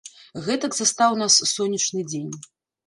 Гэтак застаў нас сонечны дзень.